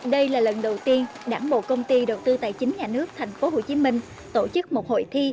đây là lần đầu tiên đảng bộ công ty đầu tư tài chính nhà nước tp hcm tổ chức một hội thi